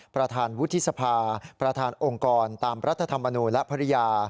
ประธานวุฒิสภาประธานองค์กรตามรัฐธรรมนูลและภรรยา